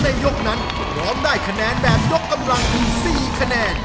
ยกนั้นพร้อมได้คะแนนแบบยกกำลังถึง๔คะแนน